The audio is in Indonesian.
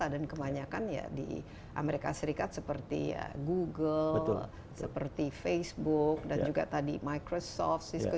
dan kebanyakan di amerika serikat seperti google seperti facebook dan juga tadi microsoft cisco